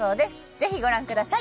ぜひご覧ください